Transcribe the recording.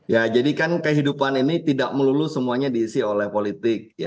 ya jadi kan kehidupan ini tidak melulu semuanya diisi oleh politik